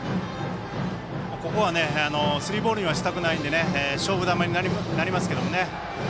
ここは、スリーボールにはしたくないので勝負球になりますけれどもね。